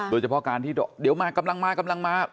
โดยเฉพาะการที่เดี๋ยวมากำลังมากำลังมา